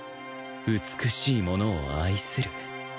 美しいものを愛する